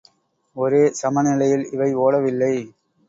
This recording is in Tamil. ஒரே சம நிலையில் இவை ஓடவில்லை.